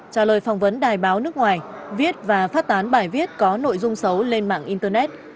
trả lời phỏng vấn đài báo nước ngoài viết và phát tán bài viết có nội dung xấu lên mạng internet